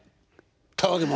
たわけ者！